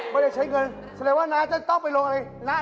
ไม่ได้ใช้เงินแสดงว่าน้าจะต้องไปลงอะไรน้า